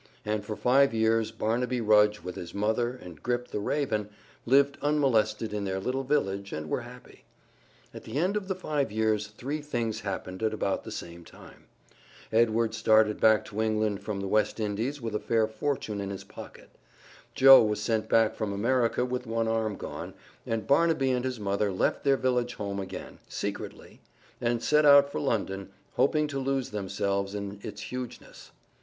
And for five years Barnaby Rudge with his mother and Grip, the raven, lived unmolested in their little village and were happy. At the end of the five years three things happened at about the same time: Edward started back to England from the West Indies with a fair fortune in his pocket; Joe was sent back from America with one arm gone, and Barnaby and his mother left their village home again, secretly, and set out for London, hoping to lose themselves in its hugeness.